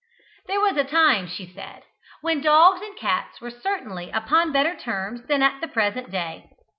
There was a time, she said, when dogs and cats were certainly upon better terms than at the present day.